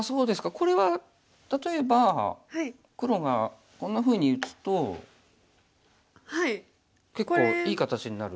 これは例えば黒がこんなふうに打つと結構いい形になる？